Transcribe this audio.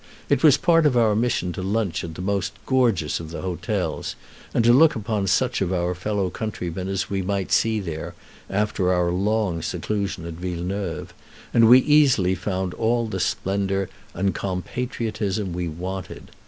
It was part of our mission to lunch at the most gorgeous of the hotels, and to look upon such of our fellow countrymen as we might see there, after our long seclusion at Villeneuve; and we easily found all the splendor and compatriotism we wanted.